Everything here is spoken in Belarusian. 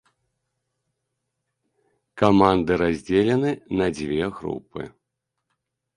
Каманды раздзелены на дзве групы.